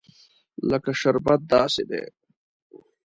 لکه شربت داسې دي.